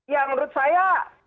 ya menurut saya